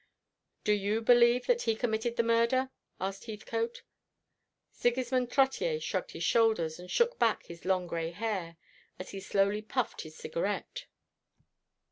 "Do you believe that he committed the murder?" asked Heathcote. Sigismond Trottier shrugged his shoulders, and shook back his long gray hair, as he slowly puffed his cigarette.